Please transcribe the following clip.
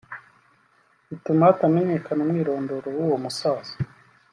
bituma hatamenyekana umwirondoro w’uwo musaza